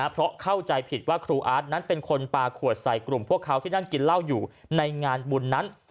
เพราะเข้าใจผิดว่าครูอาร์ตนั้นเป็นคนปลาขวดใส่กลุ่มพวกเขาที่นั่งกินเหล้าอยู่ในงานบุญนั้น